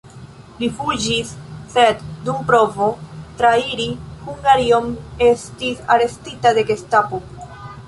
Li fuĝis, sed dum provo trairi Hungarion estis arestita de Gestapo.